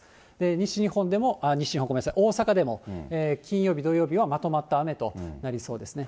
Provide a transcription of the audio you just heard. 西日本でも、ごめんなさい、大阪でも金曜日、土曜日はまとまった雨となりそうですね。